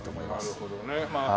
なるほどね。